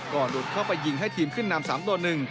ก่อนหลุดเข้าไปยิงให้ทีมขึ้นนำ๓ตัวหนึ่ง